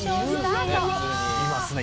「いますね」